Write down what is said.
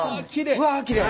うわきれい！